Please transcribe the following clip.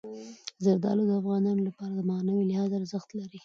زردالو د افغانانو لپاره په معنوي لحاظ ارزښت لري.